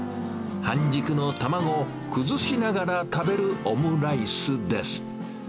半熟の卵を崩しながら食べるオムライスです。